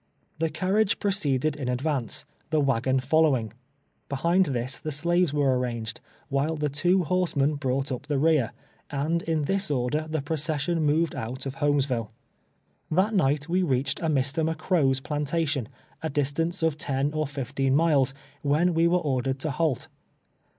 The carriage proceeded in advance, the wag(in f )llowing; behind this the slaves were arranged, while the two horsemen brought up the rear, and in this order the procession moved out of llolmesville. Tluit night we reached a Mr. ^[cCrow's })lantation, a distance of ten or lifteen miles, when we were or dered to halt.